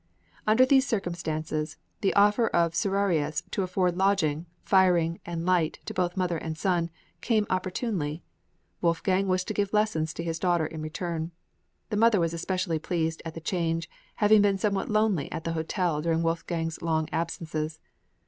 Under these circumstances, the offer of Serrarius to afford lodging, firing, and light to both mother and son, came very opportunely; Wolfgang was to give lessons to his daughter in return. The mother was especially pleased at the change, having been somewhat lonely at the hotel during Wolfgang's long absences.